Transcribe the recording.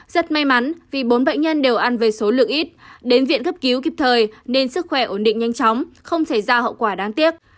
rất may mắn vì bốn bệnh nhân đều ăn về số lượng ít đến viện cấp cứu kịp thời nên sức khỏe ổn định nhanh chóng không xảy ra hậu quả đáng tiếc